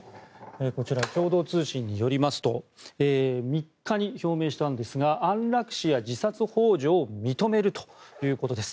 こちら、共同通信によりますと３日に表明したんですが安楽死や自殺ほう助を認めるということです。